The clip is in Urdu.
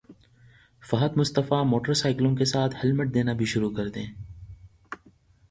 فہد مصطفی موٹر سائیکلوں کے ساتھ ہیلمٹ دینا بھی شروع کردیں